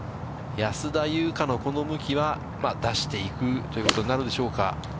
安田祐香のこの向きは出していくということになるでしょうか。